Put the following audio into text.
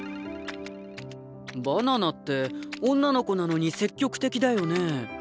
バナナって女の子なのに積極的だよね。